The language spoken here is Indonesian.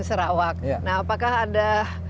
sarawak nah apakah ada